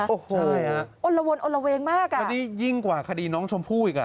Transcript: ใช่ครับอละวนอละเวงมากอ่ะอันนี้ยิ่งกว่าคดีน้องชมพู่อีก